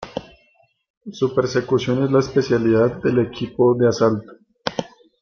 Su persecución es la especialidad del Equipo de Asalto.